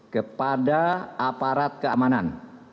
kepada aparat keamanan